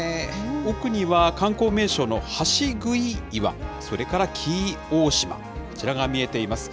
奥には観光名所の橋杭岩、それから紀伊大島、こちらが見えています。